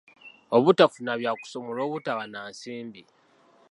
Obutafuna bya kusoma olw'obutaba na nsimbi.